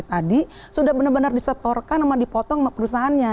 tadi sudah benar benar disetorkan sama dipotong sama perusahaannya